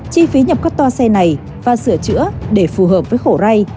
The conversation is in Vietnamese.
chi phí nhập các toa xe này và sửa chữa để phù hợp với khổ ra